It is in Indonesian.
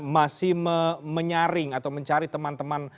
masih menyaring atau mencari teman teman